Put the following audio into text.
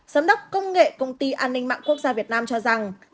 giám đốc công nghệ công ty an ninh mạng quốc gia việt nam cho rằng